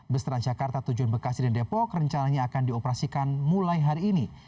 bus transjakarta tujuan bekasi dan depok rencananya akan dioperasikan mulai hari ini